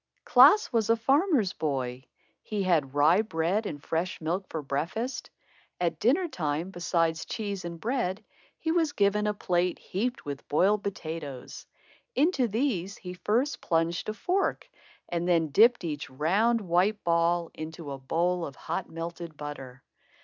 Klaas was a farmer's boy. He had rye bread and fresh milk for breakfast. At dinner time, beside cheese and bread, he was given a plate heaped with boiled potatoes. Into these he first plunged a fork and then dipped each round, white ball into a bowl of hot melted butter.